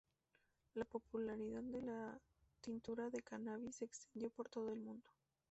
La popularidad de la tintura de cannabis se extendió por todo el mundo.